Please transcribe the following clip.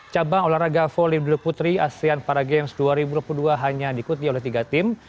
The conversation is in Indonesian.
cabang olahraga volley duduk putri asean para games dua ribu dua puluh dua hanya diikuti oleh tiga tim